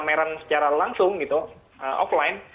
atau pemasaran secara langsung gitu offline